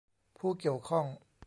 ผู้เกี่ยวข้อง